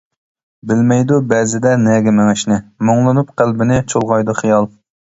بىلمەيدۇ بەزىدە نەگە مېڭىشنى، مۇڭلىنىپ قەلبىنى چۇلغايدۇ خىيال.